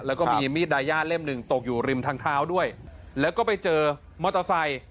แล้วก็มีมีดดายาเล่มหนึ่งตกอยู่ริมทางเท้าด้วยแล้วก็ไปเจอมอเตอร์ไซค์